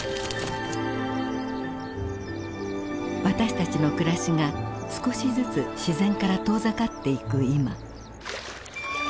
私たちの暮らしが少しずつ自然から遠ざかっていく今。